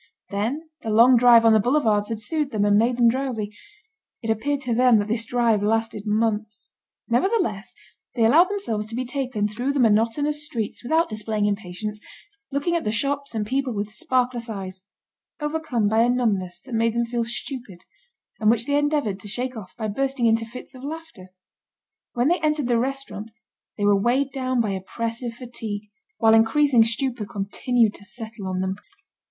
Then, the long drive on the boulevards had soothed them and made them drowsy. It appeared to them that this drive lasted months. Nevertheless, they allowed themselves to be taken through the monotonous streets without displaying impatience, looking at the shops and people with sparkless eyes, overcome by a numbness that made them feel stupid, and which they endeavoured to shake off by bursting into fits of laughter. When they entered the restaurant, they were weighed down by oppressive fatigue, while increasing stupor continued to settle on them.